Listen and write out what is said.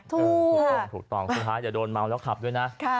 ถูกต้องถูกต้องสุดท้ายอย่าโดนเมาแล้วขับด้วยนะ